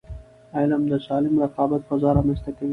علم د سالم رقابت فضا رامنځته کوي.